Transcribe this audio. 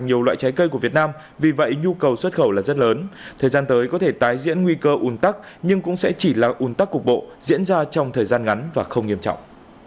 nhiều loại trái cây của việt nam vì vậy nhu cầu xuất khẩu là rất lớn thời gian tới có thể tái diễn nguy cơ ùn tắc nhưng cũng sẽ chỉ là un tắc cục bộ diễn ra trong thời gian ngắn và không nghiêm trọng